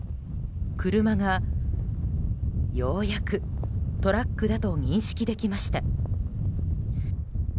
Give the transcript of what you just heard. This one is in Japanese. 車が、ようやくトラックだと認識できました。